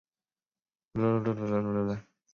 常赈赡贫穷。